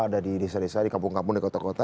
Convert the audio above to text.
ada di desa desa di kampung kampung di kota kota